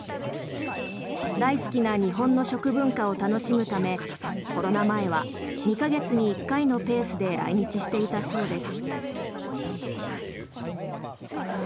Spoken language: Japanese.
大好きな日本の食文化を楽しむためコロナ前は２か月に１回のペースで来日していたそうです。